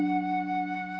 neng mah kayak gini